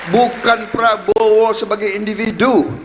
bukan prabowo sebagai individu